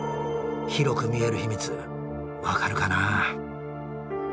広く見える秘密分かるかな？